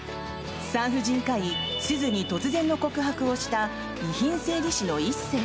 産婦人科医・鈴に突然の告白をした遺品整理士の一星。